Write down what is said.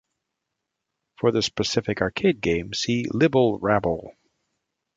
For the specific arcade game, see Libble Rabble.